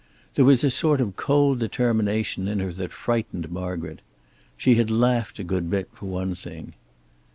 There was a sort of cold determination in her that frightened Margaret. She had laughed a good bit, for one thing.